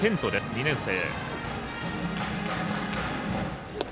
２年生。